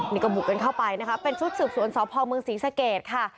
นี่ก็บุกกันเข้าไปนะคะเป็นชุดสืบสวนสพเมืองศรีสเกตค่ะ